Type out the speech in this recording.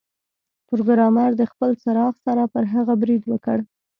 پروګرامر د خپل څراغ سره پر هغه برید وکړ